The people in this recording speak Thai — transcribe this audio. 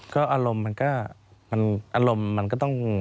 ก็อารมณ์มันก็อารมณ์มันก็ต้อง